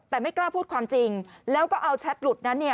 แต่ไม่กล้าพูดความจริงแล้วก็เอาแชทหลุดนั้น